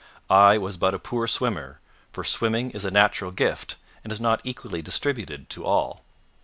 I was but a poor swimmer, for swimming is a natural gift, and is not equally distributed to all.